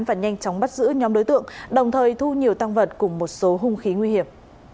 và nhanh chóng bắt giữ nhóm đối tượng đồng thời thu nhiều tăng vật cùng một số hung khí nguy hiểm